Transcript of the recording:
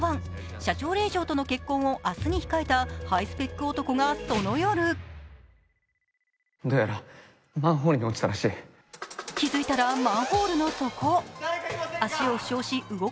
社長令嬢との結婚を明日に控えたハイスペック男がその夜どうやらマンホールに落ちたらしい。